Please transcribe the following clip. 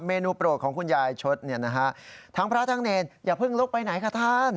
นูโปรดของคุณยายชดเนี่ยนะฮะทั้งพระทั้งเนรอย่าเพิ่งลุกไปไหนค่ะท่าน